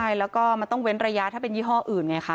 ใช่แล้วก็มันต้องเว้นระยะถ้าเป็นยี่ห้ออื่นไงคะ